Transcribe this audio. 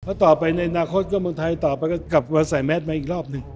เพราะต่อไปในนาคตก็มีไทยตอบไปก็กลับมาใส่แมทมาอีกรอบหนึ่ง